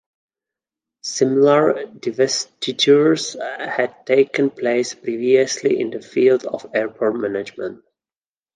Similar divestitures had taken place previously in the field of airport management.